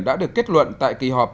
đã được kết luận tại kỳ họa